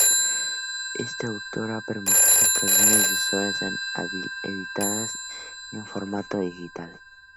Este autor ha permitido que algunas de sus obras sean editadas en formato digital.